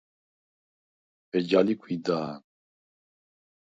ეჯა ლი გვიდა̄ნ.